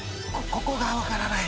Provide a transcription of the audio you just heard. ここが分からない！